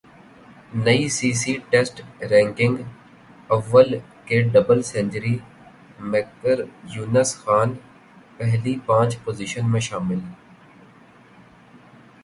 ئی C C test ranking oval کے double century میکریونس خان پہلی پانچ پوزیشن میں شامل